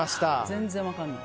全然分からない。